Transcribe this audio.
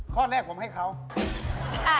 ข้อแรกผมให้เขา